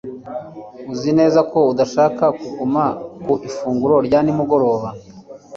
Uzi neza ko udashaka kuguma ku ifunguro rya nimugoroba